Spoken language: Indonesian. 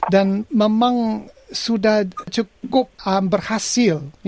dan memang sudah cukup berhasil